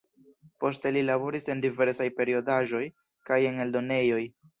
Poste li laboris en diversaj periodaĵoj, kaj en eldonejoj.